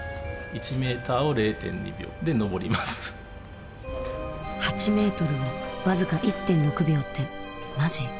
８メートルを僅か１．６秒ってマジ？